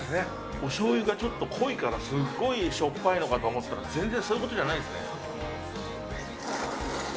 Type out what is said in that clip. おしょうゆがちょっと濃いから、すごいしょっぱいのかと思ったら、全然そういうことじゃないんですね。